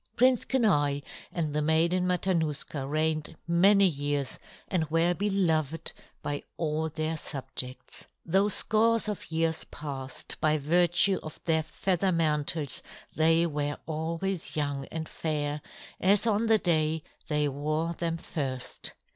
Prince Kenai and the Maiden Matanuska reigned many years and were beloved by all their subjects. Though scores of years passed, by virtue of their feather mantles they were always young and fair as on the day they wore them first.